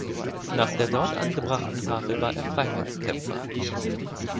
Nach der dort angebrachten Tafel war er Freiheitskämpfer.